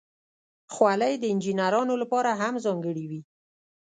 خولۍ د انجینرانو لپاره هم ځانګړې وي.